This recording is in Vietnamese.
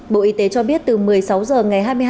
bộ y tế cho biết từ một mươi sáu h ngày hai mươi hai tháng chín